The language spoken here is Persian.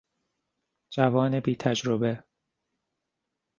جوان بیتجربه